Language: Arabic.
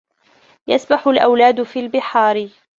يَسْبَحُ الْأَوْلاَدُ فِي الْبِحارِ.